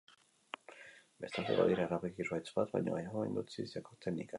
Bestalde, badira erabaki-zuhaitz bat baino gehiago induzitzeko teknikak.